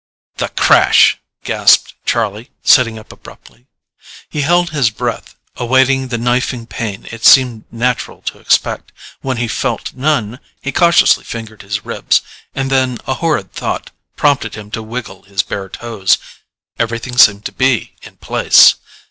"The crash!" gasped Charlie, sitting up abruptly. He held his breath, awaiting the knifing pain it seemed natural to expect. When he felt none, he cautiously fingered his ribs, and then a horrid thought prompted him to wiggle his bare toes. Everything seemed to be in place.